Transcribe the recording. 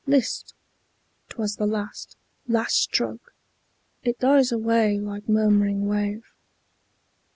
List! 't was the last, Last stroke! it dies away, like murmuring wave.